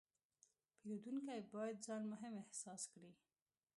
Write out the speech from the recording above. پیرودونکی باید ځان مهم احساس کړي.